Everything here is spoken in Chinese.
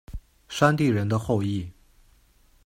山地人的后裔。